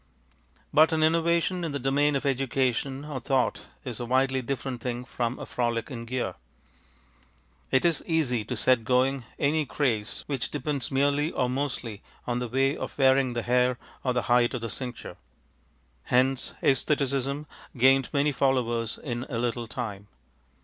But an innovation in the domain of education or thought is a widely different thing from a frolic in gear. It is easy to set going any craze which depends merely or mostly on the way of wearing the hair or the height of the cincture. Hence ├"stheticism gained many followers in a little time.